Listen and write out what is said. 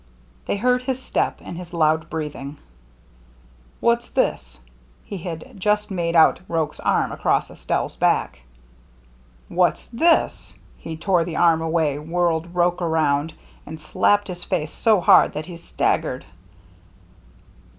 They heard his step and his loud breath ing. " What's this ?" He had just made out Roche's arm across Estelle's back. "What's this ?" He tore the arm away, whirled Roche around, and slapped his face so hard that he staggered.